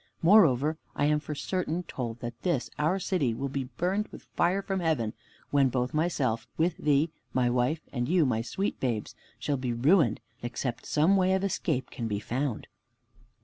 Moreover I am for certain told that this our city will be burned with fire from heaven, when both myself, with thee, my wife, and you, my sweet babes, shall be ruined, except some way of escape can be found."